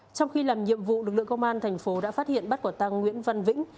trong khi làm nhiệm vụ lực lượng công an thành phố đã phát hiện bắt quả tăng nguyễn văn vĩnh